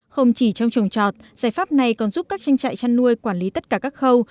không chỉ trong trồng trọt giải pháp này còn giúp các tranh trại chăn nuôi quản lý tất cả các khâu